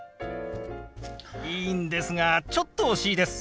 いいんですがちょっと惜しいです。